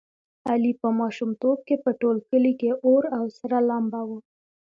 علي په ماشومتوب کې په ټول کلي کې اور او سره لمبه و.